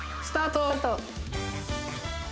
スタート